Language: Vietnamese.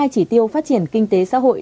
một mươi hai chỉ tiêu phát triển kinh tế xã hội